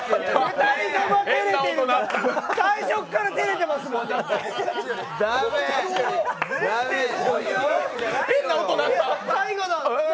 最初っから照れてますもん、だって。